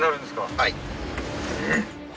はい。